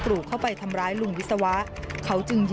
รูเข้าไปทำร้ายลุงวิศวะ